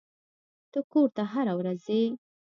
ته کور ته هره ورځ ځې.